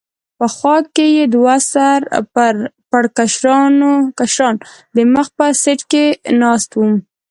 په خوا کې یې دوه سر پړکمشران د مخ په سېټ کې ناست و.